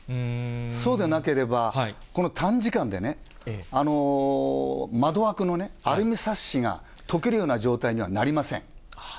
そうでなければ、この短時間で、窓枠のアルミサッシが溶けるような状態にはなりません。